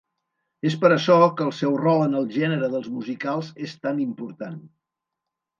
És per açò que el seu rol en el gènere dels musicals és tan important.